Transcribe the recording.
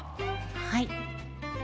はい。